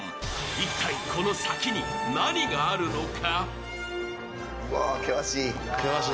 一体この先に何があるのか。